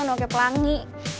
nggak pake pelangi